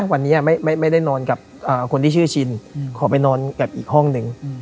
วันนี้ไม่ได้นอนกับคนที่ชื่อชินขอไปนอนกับอีกห้องหนึ่ง